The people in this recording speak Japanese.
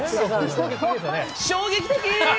衝撃的！